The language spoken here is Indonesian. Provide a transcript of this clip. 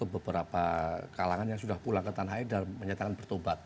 beberapa kalangan yang sudah pulang ke tanah air dan menyatakan bertobat